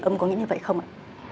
ông có nghĩ như vậy không ạ